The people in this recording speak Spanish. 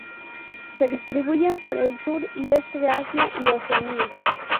Se distribuyen por el sur y este de Asia y Oceanía.